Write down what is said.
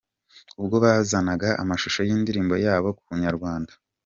Ubwo bazanaga amashusho y’indirimbo yabo ku inyarwanda.